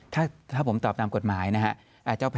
ถ้าผมตอบตามกฎหมายนะครับ